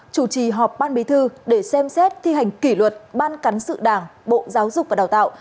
chủ trì họp ban bí thư để xem xét thi hành kỷ luật ban cán sự đảng bộ giáo dục và đào tạo